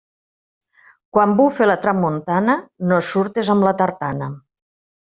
Quan bufe la tramuntana, no surtes amb la tartana.